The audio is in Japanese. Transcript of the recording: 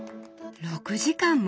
６時間も！？